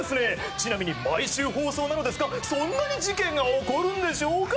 ちなみに毎週放送なのですがそんなに事件が起こるんでしょうか？